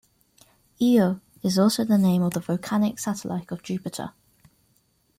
Io is also the name of the volcanic satellite of Jupiter.